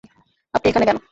আপনি এখানে কেন?